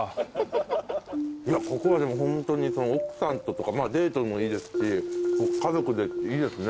いやここはホントに奥さんととかデートでもいいですし家族でいいですね。